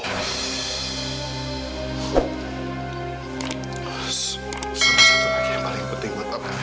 salah satu lagi yang paling penting buat papa